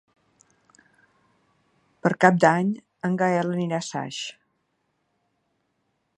Per Cap d'Any en Gaël anirà a Saix.